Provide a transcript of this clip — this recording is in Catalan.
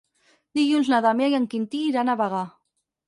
Dilluns na Damià i en Quintí iran a Bagà.